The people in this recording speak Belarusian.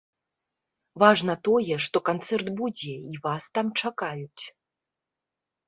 Важна тое, што канцэрт будзе, і вас там чакаюць.